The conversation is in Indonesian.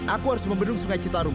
aku harus membendung sungai citarum